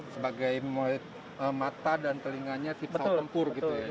sebagai mata dan telinganya si pesawat tempur gitu ya